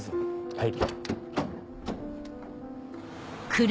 はい。